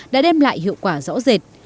đã đem lại hiệu quả rõ rệt